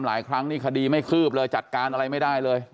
หลายครั้งนี่คดีไม่คืบเลยจัดการอะไรไม่ได้เลย